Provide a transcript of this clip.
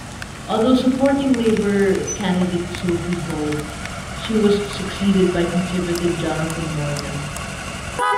Although supporting Labour candidate Sophie Howe, she was succeeded by Conservative Jonathan Morgan.